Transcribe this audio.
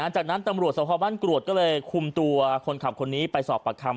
จากนั้นตำรวจสภบ้านกรวดก็เลยคุมตัวคนขับคนนี้ไปสอบประคำ